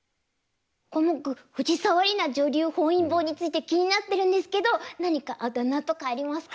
コモク藤沢里菜女流本因坊について気になってるんですけど何かあだ名とかありますか？